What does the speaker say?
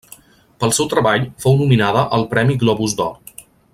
Pel seu treball fou nominada al premi Globus d'Or.